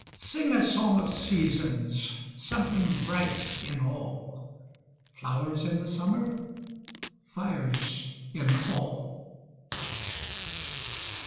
Sing a song of seasons! Something bright in all! Flowers in the summer, Fires in the fall!